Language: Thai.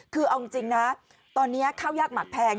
คือเอาจริงนะตอนนี้ข้าวยากหมักแพง